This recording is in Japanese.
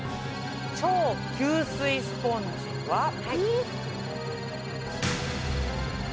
超吸水スポンジは。